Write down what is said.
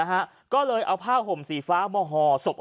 ชาวบ้านญาติโปรดแค้นไปดูภาพบรรยากาศขณะ